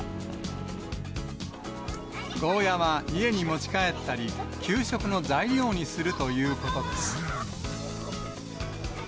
ゴーヤは家に持ち帰ったり、給食の材料にするということです。